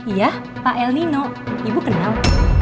iya pak el nino ibu kenal